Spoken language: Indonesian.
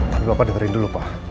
tapi bapak dengerin dulu pak